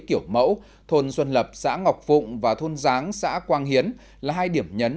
kiểu mẫu thôn xuân lập xã ngọc phụng và thôn giáng xã quang hiến là hai điểm nhấn